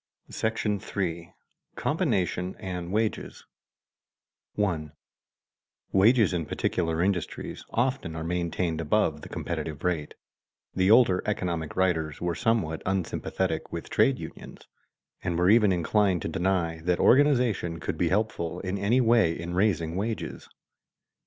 § III. COMBINATION AND WAGES [Sidenote: Wages are raised by a labor monopoly] 1. Wages in particular industries often are maintained above the competitive rate. The older economic writers were somewhat unsympathetic with trade unions, and were even inclined to deny that organization could be helpful in any way in raising wages.